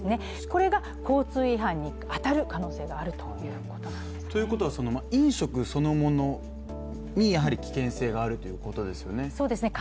これが交通違反に当たる可能性があるということなんですね。ということは飲食そのものに危険性があるということですよね？